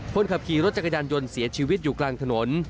คนขับขี่รถจักรยานยนต์เสียชีวิตอยู่กลางถนน